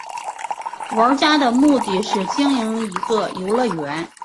玩家的目的是经营一个游乐园。